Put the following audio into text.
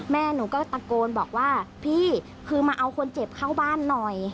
แม่หนูก็ตะโกนบอกว่าพี่คือมาเอาคนเจ็บเข้าบ้านหน่อย